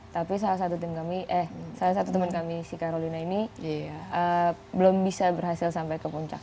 tapi salah satu tim kami eh salah satu teman kami si karolina ini belum bisa berhasil sampai ke puncak